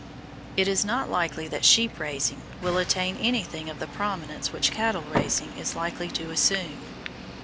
It is not likely that sheep raising will attain anything of the prominence which cattle raising is likely to assume.